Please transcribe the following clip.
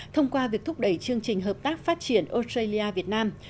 thông qua việc thúc đẩy chương trình hợp tác phát triển australia việt nam